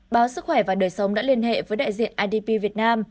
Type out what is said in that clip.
báo sức khỏe và đời sống đã liên hệ với đại diện idp việt nam